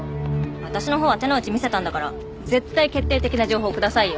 私のほうは手の内見せたんだから絶対決定的な情報くださいよ。